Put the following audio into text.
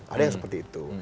ada yang seperti itu